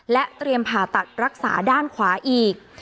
และเตรียมผ่าตัดรักษาด้านขวาอีก